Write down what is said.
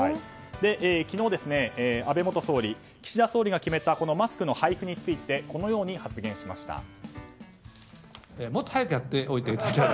昨日、安倍元総理岸田総理が決めたマスクの配布にこのように発言しました。